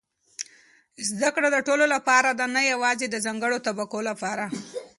زده کړه د ټولو لپاره ده، نه یوازې د ځانګړو طبقو لپاره.